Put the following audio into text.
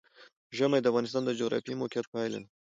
ژمی د افغانستان د جغرافیایي موقیعت پایله ده.